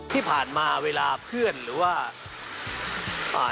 ที่ผ่านมาเวลาเพื่อนหรือว่าอ่า